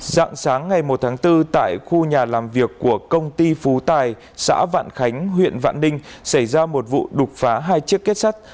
dạng sáng ngày một tháng bốn tại khu nhà làm việc của công ty phú tài xã vạn khánh huyện vạn ninh xảy ra một vụ đột phá hai chiếc kết sắt